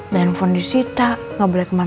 dan ponisi tak ngobrol kemana mana